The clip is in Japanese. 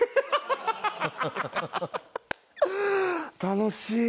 楽しい。